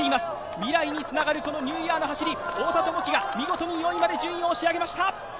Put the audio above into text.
未来につながるニューイヤーの走り、太田智樹が見事に４位まで順位を押し上げました。